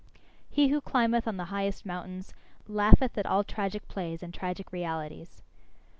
He who climbeth on the highest mountains, laugheth at all tragic plays and tragic realities.